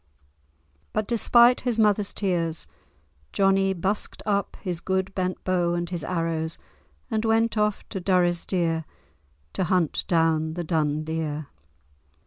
But despite his mother's tears, Johnie busked up his good bent bow, and his arrows, and went off to Durrisdeer to hunt down the dun deer.